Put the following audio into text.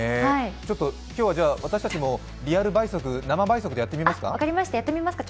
今日はじゃあ私たちもリアル倍速でやってみますか。